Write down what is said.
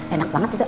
enak banget itu